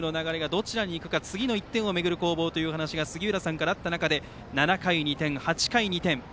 どちらにいくか次の１点をめぐる攻防というのが杉浦さんからあった中で７回２点、８回に２点。